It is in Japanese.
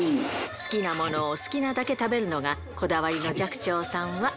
好きなものを好きなだけ食べるのがこだわりの寂聴さんは。